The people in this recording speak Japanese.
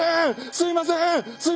すいません！」